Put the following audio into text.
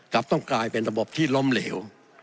กลับต้องกลายเป็นระบบที่ล้มเหลว